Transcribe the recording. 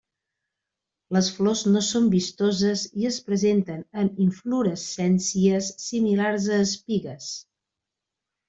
Les flors no són vistoses i es presenten en inflorescències similars a espigues.